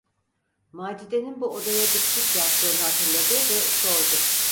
Macide’nin bu odaya bitişik yattığını hatırladı ve sordu: